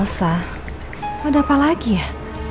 ada apa lagi ya